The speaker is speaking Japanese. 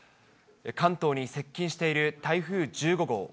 関東に接近している台風１５号。